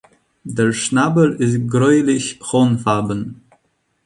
Der Schnabel ist gräulich hornfarben.